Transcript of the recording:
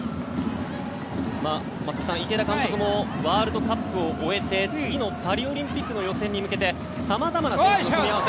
松木さん、池田監督もワールドカップを終えて次のパリオリンピックの予選に向けて様々な選手の組み合わせ。